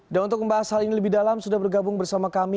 dan untuk membahas hal ini lebih dalam sudah bergabung bersama kami